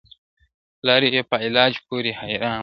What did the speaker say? لاروي یې په علاج پوري حیران ول -